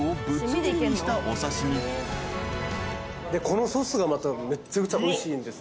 このソースがまためちゃくちゃおいしいんですよ。